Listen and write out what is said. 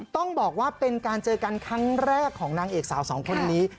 ต้องบอกว่าเป็นการเจอกันครั้งแรกของนางเอกสาวสองคนนี้